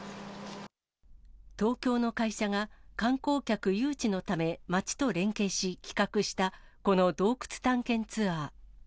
東京の会社が観光客誘致のため町と連携し、企画したこの洞窟探検ツアー。